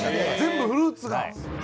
全部フルーツが。